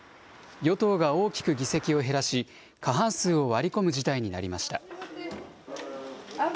与党が大きく議席を減らし、過半数を割り込む事態になりました。